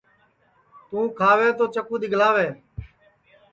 توں کھاوے تو چکُو دِؔگکاوے